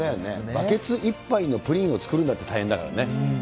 バケツ１杯のプリンを作るんだって、大変だからね。